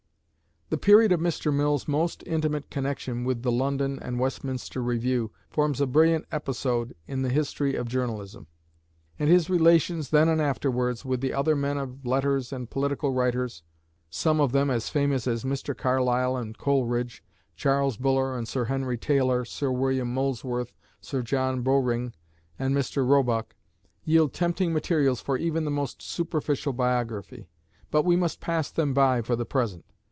The period of Mr. Mill's most intimate connection with "The London and Westminster Review" forms a brilliant episode in the history of journalism; and his relations, then and afterwards, with other men of letters and political writers, some of them as famous as Mr. Carlyle and Coleridge, Charles Buller and Sir Henry Taylor, Sir William Molesworth, Sir John Bowring, and Mr. Roebuck, yield tempting materials for even the most superficial biography; but we must pass them by for the present.